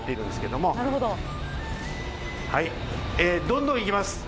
どんどんいきます。